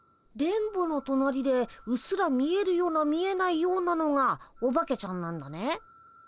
電ボのとなりでうっすら見えるような見えないようなのがおばけちゃんなんだね。